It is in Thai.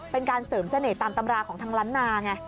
เป็นการเสริมเสน่ห์ตามตำราของทางล้านนาไง